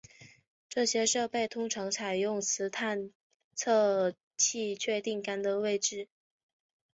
这些设备通常采用磁探测器确定杆的位置。